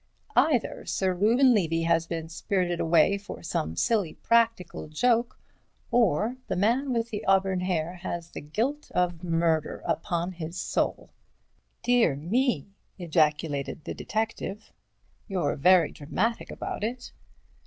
Either Sir Reuben Levy has been spirited away for some silly practical joke, or the man with the auburn hair has the guilt of murder upon his soul." "Dear me!" ejaculated the detective, "you're very dramatic about it."